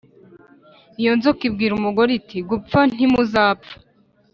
Iyo nzoka ibwira umugore iti gupfa ntimuzapfa